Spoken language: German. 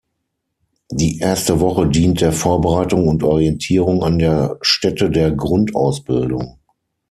Die erste Woche dient der Vorbereitung und Orientierung an der Stätte der Grundausbildung.